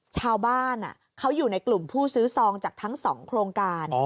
ชาวบ้านเขาอยู่ในกลุ่มผู้ซื้อซองจากทั้ง๒โครงการ